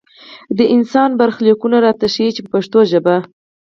د انسان برخلیکونه راته ښيي په پښتو ژبه.